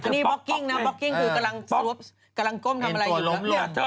นี่บ๊อกกิ้งนะบ๊อกกิ้งคือกำลังก้มทำอะไรอยู่